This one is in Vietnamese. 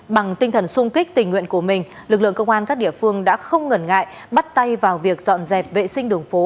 bằng tinh thần sung kích tình nguyện của mình lực lượng công an các địa phương đã không ngần ngại bắt tay vào việc dọn dẹp vệ sinh đường phố